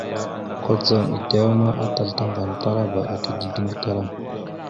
Kudzaŋ edewa ma, atal tàŋganatalaba ata dideŋ gatala.